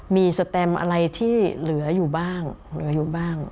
มีสแตมอะไรที่เหลืออยู่บ้าง